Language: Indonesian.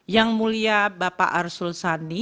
yang mulia bapak arsul sani